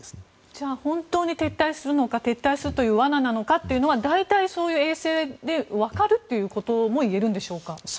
じゃあ本当に撤退するのか撤退するという罠なのかというのは大体、その衛星でわかるということも言えるんでしょうか？